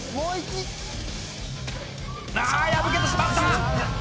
ああ破けてしまった！